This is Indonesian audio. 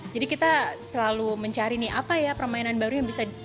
jadi kita selalu mencari nih apa ya permainan baru yang bisa